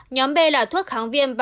nhóm b là thuốc kháng viêm